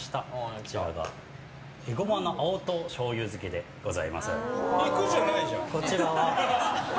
こちらがエゴマの青唐醤油漬けでございます。